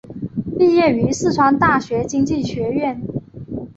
毕业于四川大学经济学院。